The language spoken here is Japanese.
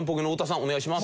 お願いします。